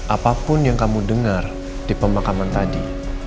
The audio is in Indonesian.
apapun yang kamu dengar di pemakaman tadi